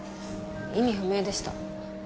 意味不明でした。